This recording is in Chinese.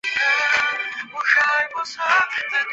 美国吉他学院提供从初级到高级程度的个人和团体课程。